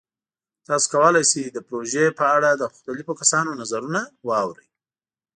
تاسو کولی شئ د پروژې په اړه د مختلفو کسانو نظرونه واورئ.